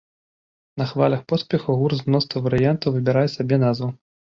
На хвалях поспеху гурт з мноства варыянтаў выбірае сабе назву.